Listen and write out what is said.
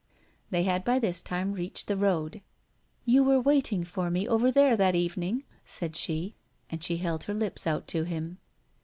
They had by this time reached the road. "You were waiting for me over there that evening," said she. And she held her lips out to him.